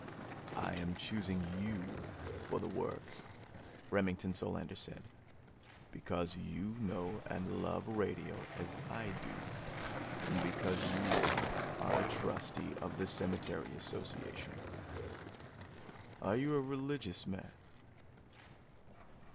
"I am choosing you for the work," Remington Solander said, "because you know and love radio as I do, and because you are a trustee of the cemetery association. Are you a religious man?"